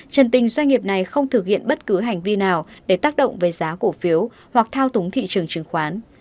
trần tình doanh nghiệp này không thực hiện bất cứ hành vi nào để tác động về giá cổ phiếu hoặc thao túng thị trường chứng khoán